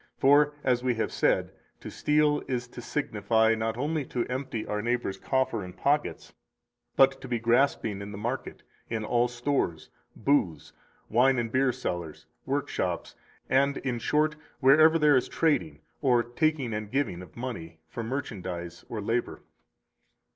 For, as we have just said, to steal is to signify not only to empty our neighbor's coffer and pockets, but to be grasping in the market, in all stores, booths, wine and beer cellars, workshops, and, in short, wherever there is trading or taking and giving of money for merchandise or labor.